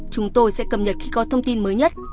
chúng tôi sẽ cập nhật khi có thông tin mới nhất